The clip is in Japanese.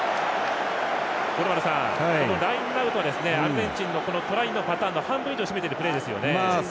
このラインアウトはアルゼンチンのトライのパターンの半分以上を占めているプレーですよね。